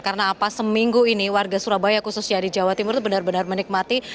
karena pas seminggu ini warga surabaya khususnya di jawa timur benar benar menikmati